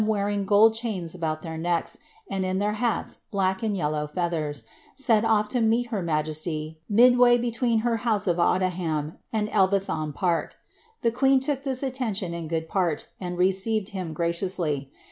wearing gold chains about their necks, and in their hats black >now feathers, set off to meet her majesty, midway between her loose of Odiham and Elvetham Park. The queen took this atten I good part, and received him graciously.